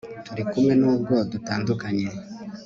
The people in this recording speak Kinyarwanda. turi kumwe nubwo dutandukanye